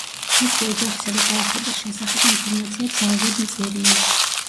მისი ოჯახისა და ბავშვობის შესახებ ინფორმაცია ძალზედ მწირია.